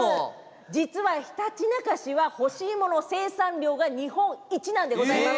実はひたちなか市は干し芋の生産量が日本一なんでございます。